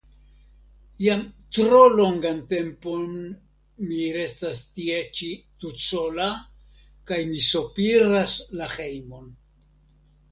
Jam tro longan tempon mi restas tie ĉi tutsola, kaj mi sopiras la hejmon.